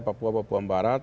papua papua barat